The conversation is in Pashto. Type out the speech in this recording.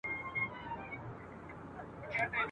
اوس په ښار كي دا نااهله حكمران دئ !.